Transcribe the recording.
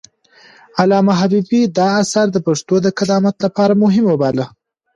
علامه حبيبي دا اثر د پښتو د قدامت لپاره مهم وباله.